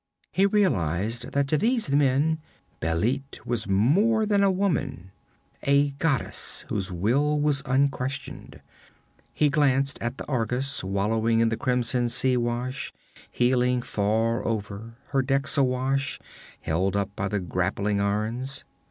He realized that to these men Bêlit was more than a woman: a goddess whose will was unquestioned. He glanced at the Argus, wallowing in the crimson sea wash, heeling far over, her decks awash, held up by the grappling irons.